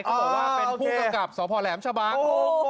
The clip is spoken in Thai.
เขาบอกว่าเป็นผู้กำกับสพแหลมชะบังโอ้โหโอ้โห